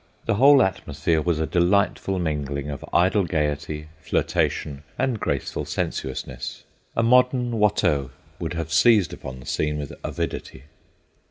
The whole atmosphere was a delightful mingling of idle gaiety, flirtation, and graceful sensuousness. A modern Watteau would have seized upon the scene with avidity.